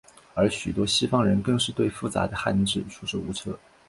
而许多西方人更是对复杂的汉字束手无策。